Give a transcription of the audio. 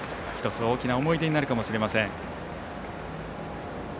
１つ大きな思い出になるかもしれません。